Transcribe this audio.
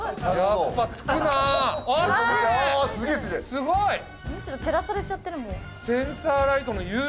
すごい！むしろ照らされちゃってるもう。